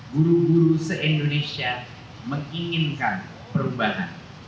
guru guru se indonesia menginginkan perubahan